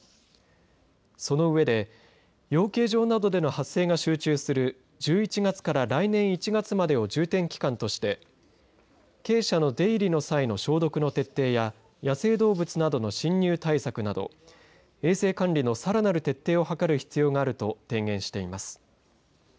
その上で養鶏場などでの発生が集中する１１月から来年１月までを重点期間として鶏舎の出入りの際の消毒の徹底や野生動物などの侵入対策など衛生管理のさらなる徹底を図る必要があると提言しています。